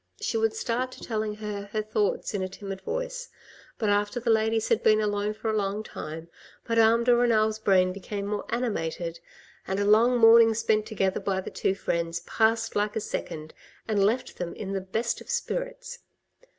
She would start to telling her her thoughts in a timid voice, but after the ladies had been alone for a long time, Madame de Renal's brain became more animated, and a long morning spent together by the two friends passed like a second, and left them in the best of spirits.